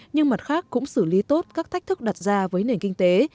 nhưng mặt khác cũng xử lý tốt các thách thức đặt ra với nền kinh tế